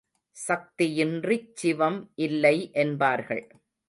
சக்தி யின்றிச் சிவம் இல்லை என்பார்கள்.